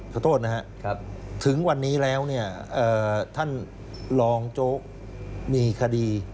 ขอโทษนะครับถึงวันนี้แล้วเนี่ยท่านรองโจ๊กมีคดี